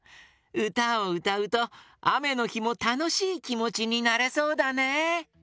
うたをうたうとあめのひもたのしいきもちになれそうだね！